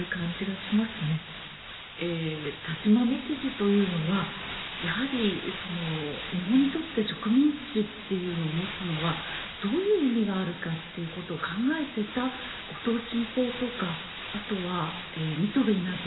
田島道治というのはやはり日本にとって植民地っていうのを持つのはどういう意味があるかということを考えてた後藤新平とかあとは新渡戸稲造